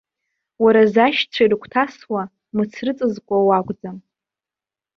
Уара зашьцәа ирыгәҭасуа, мыц рыҵазкуа уакәӡам.